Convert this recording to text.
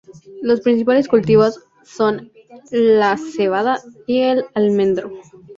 Los principales cultivos son la cebada y el almendro.